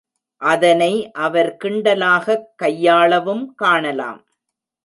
அதனை அவர் கிண்டலாகக் கையாளவும் காணலாம்.